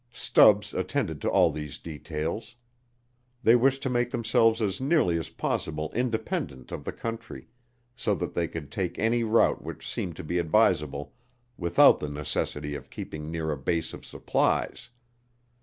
Stubbs attended to all these details. They wished to make themselves as nearly as possible independent of the country, so that they could take any route which seemed to be advisable without the necessity of keeping near a base of supplies.